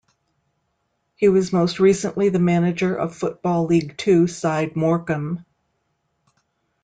He was most recently the manager of Football League Two side Morecambe.